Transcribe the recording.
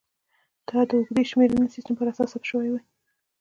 دا د اوږدې شمېرنې سیستم پر اساس ثبت شوې وې